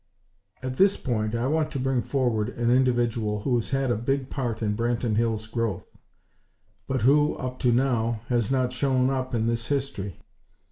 At this point I want to bring forward an individual who has had a big part in Branton Hills' growth; but who, up to now, has not shown up in this history.